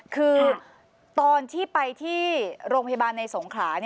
คือตอนที่ไปที่โรงพยาบาลในสงขลา